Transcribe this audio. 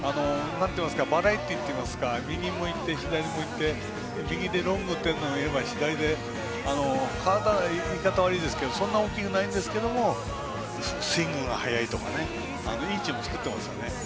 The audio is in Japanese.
バラエティーといいますか右もいて左もいて右でロング打てるのもいれば左で体がそんなに大きくないですけどスイングが早いとかいいチーム作っていますよ。